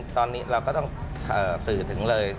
ตอนนี้เราก็ต้องสื่อถึงเลย